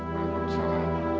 selamat malam salah